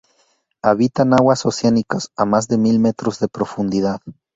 Habitan aguas oceánicas a más de mil metros de profundidad.